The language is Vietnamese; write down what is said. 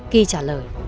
kì trả lời